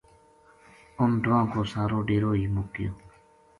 اُنھ دواں کو سارو ڈیرو ہی مُک گیو